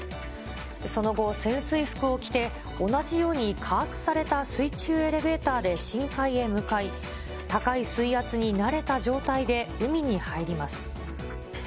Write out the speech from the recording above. その後、潜水服を着て、同じように加圧された水中エレベーターで深海へ向かい、高い水圧に慣れた状態で海に入ります。